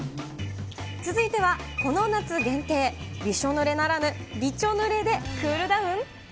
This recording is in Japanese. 続いては、この夏限定、びしょぬれならぬ、びちょぬれでクールダウン？